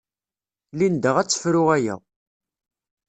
Linda ad tefru aya.